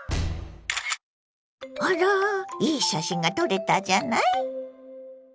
あらいい写真が撮れたじゃない。